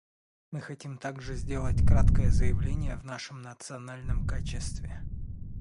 Мы хотим также сделать краткое заявление в нашем национальном качестве.